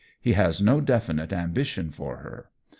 He has no definite ambitions for her.